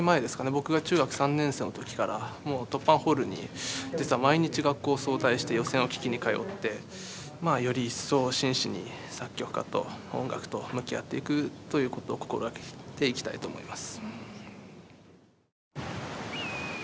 僕が中学３年生の時からトッパンホールに実は毎日学校を早退して予選を聴きに通ってより一層真摯に作曲家と音楽と向き合っていくということを心掛けていきたいと思います。